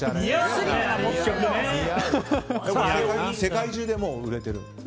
世界中でも売れてる？